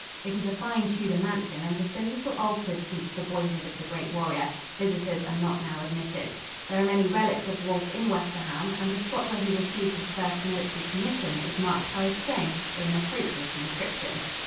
It is a fine Tudor mansion and has been little altered since the boyhood of the great warrior. Visitors are not now admitted. There are many relics of Wolfe in Westerham, and the spot where he received his first military commission is marked by a stone with an appropriate inscription.